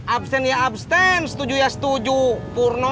abstain ya abstain setuju ya setuju